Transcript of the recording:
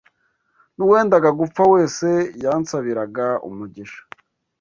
N’uwendaga gupfa wese yansabiraga umugisha